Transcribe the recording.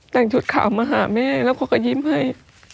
แต่งชุดขาวมาหาแม่แล้วเขาก็ยิ้มให้